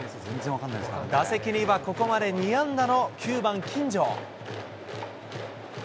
打席にはここまで２安打の９番金城。